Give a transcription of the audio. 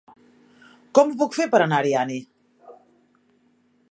Com ho puc fer per anar a Ariany?